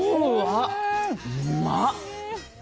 うまっ！